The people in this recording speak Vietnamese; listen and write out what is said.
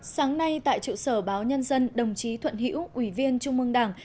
sáng nay tại trụ sở báo nhân dân đồng chí thuận hữu ủy viên trung mương đảng